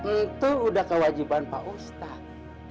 itu sudah kewajiban pak ustadz